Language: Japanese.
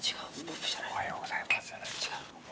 「おはようございます」